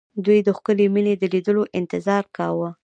دوی د ښکلې مينې د ليدو انتظار کاوه